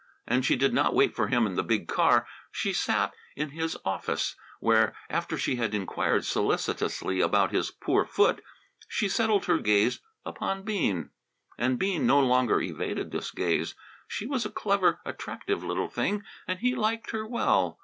And she did not wait for him in the big car; she sat in his office, where, after she had inquired solicitously about his poor foot, she settled her gaze upon Bean. And Bean no longer evaded this gaze. She was a clever, attractive little thing and he liked her well.